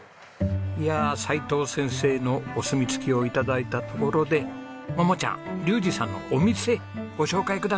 いやあ齋藤先生のお墨付きを頂いたところで桃ちゃん竜士さんのお店ご紹介くださいな。